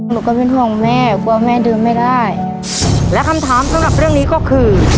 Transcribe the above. ก็เป็นห่วงแม่กลัวแม่เดินไม่ได้และคำถามสำหรับเรื่องนี้ก็คือ